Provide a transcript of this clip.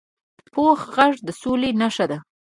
پوخ غږ د سولي نښه ده